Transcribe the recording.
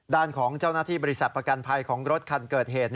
ด้านของเจ้าหน้าที่บริษัทประกันภัยของรถคันเกิดเหตุ